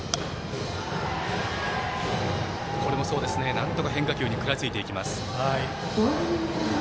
なんとか変化球に食らいついてきます。